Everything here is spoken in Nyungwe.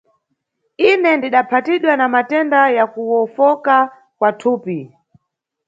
Ine ndidaphatidwa na matenda ya kuwofoka kwa thupi.